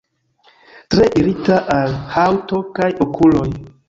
Tre irita al haŭto kaj okuloj.